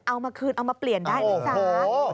เอามาคืนเอามาเปลี่ยนได้หรือเปล่า